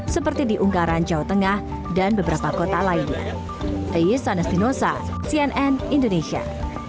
seperti di ungkaran jawa tengah dan beberapa kota lainnya